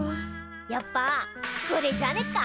やっぱこれじゃねっか？